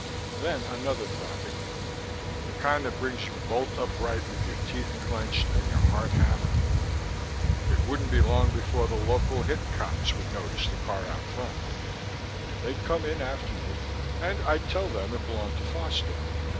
Then another thought hit me the kind that brings you bolt upright with your teeth clenched and your heart hammering. It wouldn't be long before the local hick cops would notice the car out front. They'd come in after me, and I'd tell them it belonged to Foster.